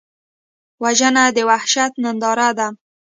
وژنه د وحشت ننداره ده